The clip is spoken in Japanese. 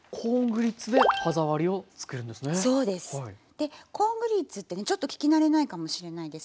でコーングリッツってねちょっと聞き慣れないかもしれないです